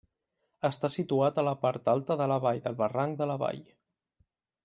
Està situat a la part alta de la vall del barranc de la Vall.